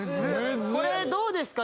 これどうですか？